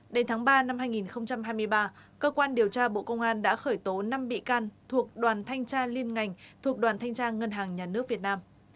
đến tháng ba năm hai nghìn hai mươi ba cơ quan điều tra bộ công an đã khởi tố năm bị can thuộc đoàn thanh tra liên ngành thuộc đoàn thanh tra ngân hàng nhà nước việt nam